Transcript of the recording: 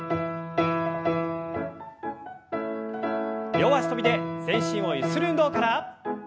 両脚跳びで全身をゆする運動から。